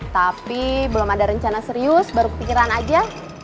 tapi belum ada rencana serius baru kepikiran aja